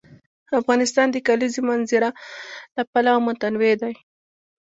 افغانستان د د کلیزو منظره له پلوه متنوع دی.